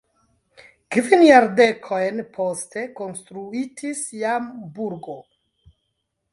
Kvin jardekojn poste konstruitis jam burgo.